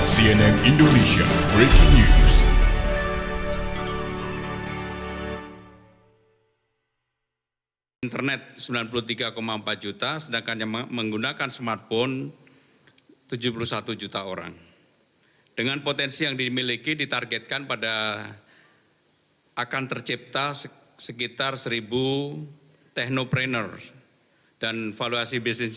cnn indonesia breaking news